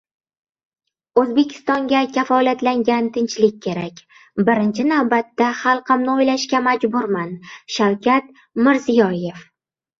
O‘zbekistonga kafolatlangan tinchlik kerak, birinchi navbatda xalqimni o‘ylashga majburman – Shavkat Mirziyoyev